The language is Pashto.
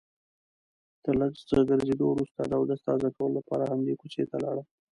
تر لږ څه ګرځېدو وروسته د اودس تازه کولو لپاره همدې کوڅې ته لاړم.